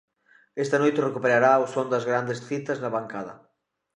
Esta noite recuperará o son das grandes citas na bancada.